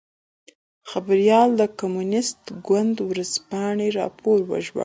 خبریال د کمونېست ګوند ورځپاڼې راپور وژباړه.